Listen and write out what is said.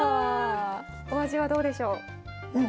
お味はどうでしょう。